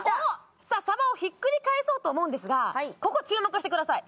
さあさばをひっくり返そうと思うんですがここ注目してください